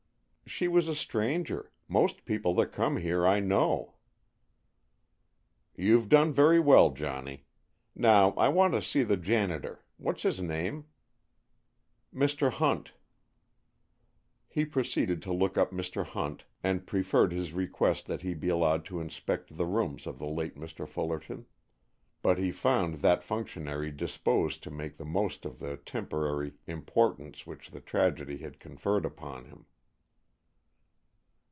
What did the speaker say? "She was a stranger. Most people that come here I know." "You've done very well, Johnny. Now I want to see the janitor. What's his name?" "Mr. Hunt." He proceeded to look up Mr. Hunt, and preferred his request that he be allowed to inspect the rooms of the late Mr. Fullerton, but he found that functionary disposed to make the most of the temporary importance which the tragedy had conferred upon him.